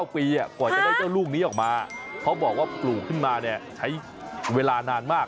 กว่าปีกว่าจะได้เจ้าลูกนี้ออกมาเขาบอกว่าปลูกขึ้นมาเนี่ยใช้เวลานานมาก